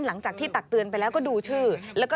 หลังจากที่ตักเตือนไปแล้วก็ดูชื่อ